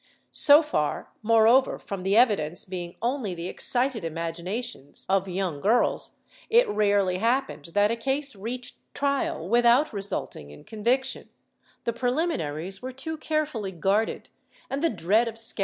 So far moreover from the evidence being only the excited imaginations of young girls, it rarely happened that a case reached trial without resulting in conviction — the pre liminaries were too carefully guarded, and the dread of scandal * Archive de Simancas, Inq.